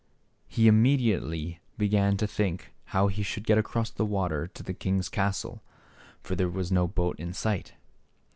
He immediately began to think how he should get across the water to the king's castle, for there was no boat in sight.